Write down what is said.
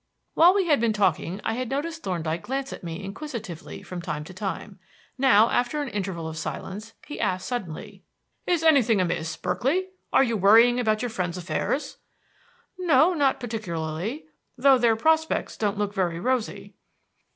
While we had been talking I had noticed Thorndyke glance at me inquisitively from time to time. Now after an interval of silence, he asked suddenly: "Is anything amiss, Berkeley? Are you worrying about your friends' affairs?" "No, not particularly; though their prospects don't look very rosy."